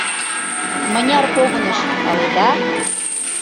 Мыняр погыныш, паледа?